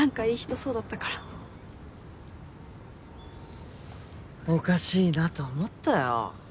そうだったからおかしいなと思ったよ